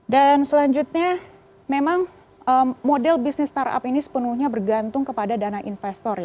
dan selanjutnya memang model bisnis startup ini sepenuhnya bergantung kepada dana investor ya